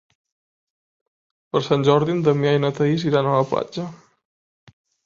Per Sant Jordi en Damià i na Thaís iran a la platja.